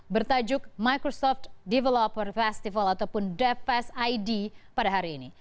bertajuk microsoft developer festival ataupun defest id pada hari ini